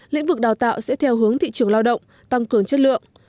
lĩnh vực đào tạo sẽ theo hướng thị trường lao động tăng cường chất lượng